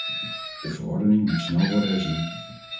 De verordening moet snel worden herzien.